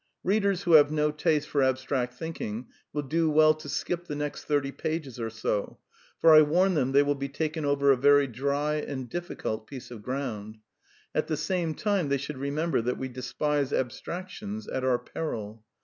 Readers who have no taste for ab stract thinking will do well to skip the next thirty pages or so; for I warn them they will be taken over a very dry and difficult piece of ground. At the same time they should remember that we despise abstractions at our peril.